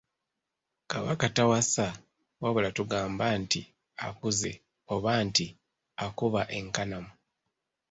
Kabaka tawasa wabula tugamba nti akuze oba nti akuba enkanamu.